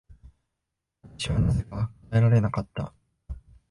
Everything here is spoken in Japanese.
私はなぜか答えられなかった。